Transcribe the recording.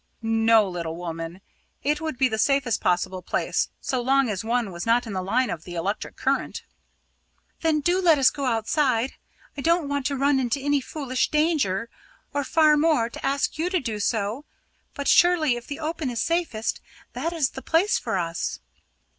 "No, little woman. It would be the safest possible place so long as one was not in the line of the electric current." "Then, do let us go outside. I don't want to run into any foolish danger or, far more, to ask you to do so. But surely if the open is safest, that is the place for us."